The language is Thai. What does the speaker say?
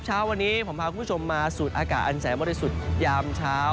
เช้าวันนี้ผมพาคุณผู้ชมมาสูดอากาศอันแสนบริสุทธิ์ยามเช้า